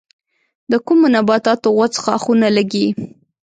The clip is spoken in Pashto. د کومو نباتاتو غوڅ ښاخونه لگي؟